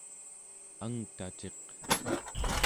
angtaciq